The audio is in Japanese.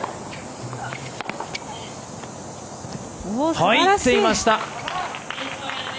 入っていました！